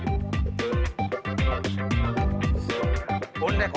jangan enggak enggul enggum